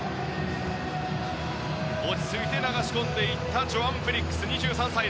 落ち着いて流し込んでいったジョアン・フェリックス２３歳。